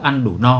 ăn đủ no